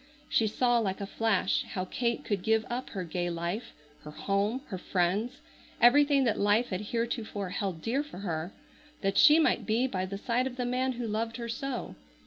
She saw like a flash how Kate could give up her gay life, her home, her friends, everything that life had heretofore held dear for her, that she might be by the side of the man who loved her so.